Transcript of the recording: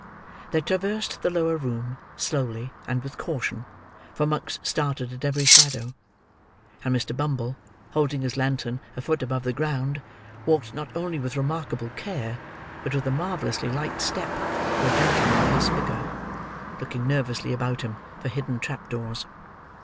They traversed the lower room, slowly, and with caution; for Monks started at every shadow; and Mr. Bumble, holding his lantern a foot above the ground, walked not only with remarkable care, but with a marvellously light step for a gentleman of his figure: looking nervously about him for hidden trap doors.